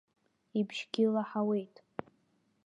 Ибжьгьы лаҳауеит.